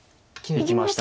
いきました。